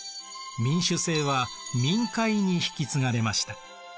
民主政は民会に引き継がれました。